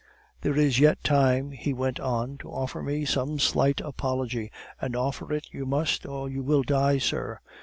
"There is yet time," he went on, "to offer me some slight apology; and offer it you must, or you will die sir!